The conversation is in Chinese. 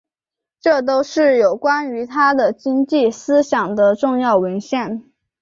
这都是有关他的经济思想的重要文献。